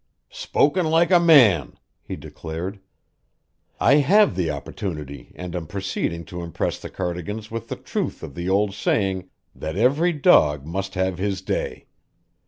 "Spoken like a man!" he declared. "I HAVE the opportunity and am proceeding to impress the Cardigans with the truth of the old saying that every dog must have his day.